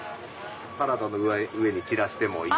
サラダの上に散らしてもいい。